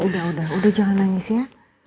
udah udah jangan nangis ya